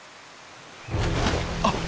あっ！